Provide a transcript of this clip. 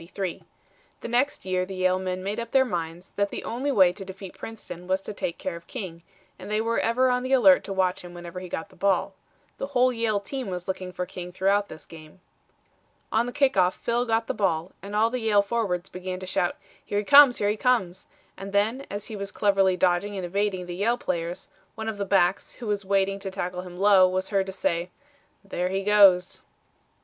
The next year the Yale men made up their minds that the only way to defeat Princeton was to take care of King, and they were ever on the alert to watch him whenever he got the ball. The whole Yale team was looking for King throughout this game. On the kick off Phil got the ball, and all the Yale forwards began to shout, "Here he comes, here he comes," and then as he was cleverly dodging and evading the Yale players, one of the backs, who was waiting to tackle him low, was heard to say, "There he goes."